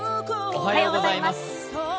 おはようございます。